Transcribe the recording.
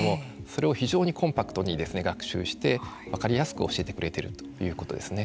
それを非常にコンパクトに学習して分かりやすく教えてくれているということですね。